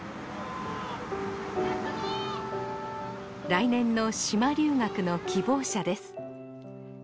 来年の島留学の希望者です